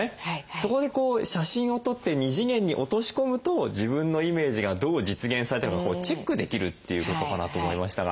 そこでこう写真を撮って２次元に落とし込むと自分のイメージがどう実現されたのかチェックできるっていうことかなと思いましたが。